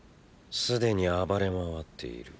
すでに暴れ回っている。